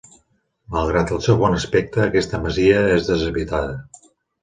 Malgrat el seu bon aspecte, aquesta masia és deshabitada.